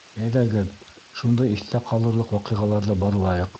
Әйҙәгеҙ, шундай иҫтә ҡалырлыҡ ваҡиғаларҙы барлайыҡ.